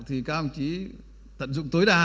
thì cam chỉ tận dụng tối đa